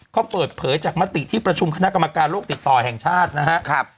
ก็เปิดเผยจากมติที่ประชุมคณะกรรมการโลกติดต่อแห่งชาตินะครับ